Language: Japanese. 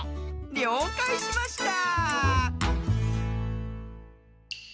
りょうかいしました！